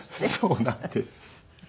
そうなんです。